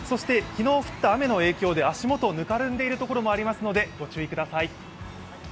昨日降った雨の影響で足元、ぬかるんでいるところもありますので御注意ください。